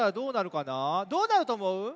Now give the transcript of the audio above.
どうなるとおもう？